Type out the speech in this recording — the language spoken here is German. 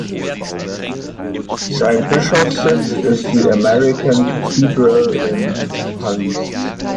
Sein Bischofssitz ist die "American Cathedral" in Paris.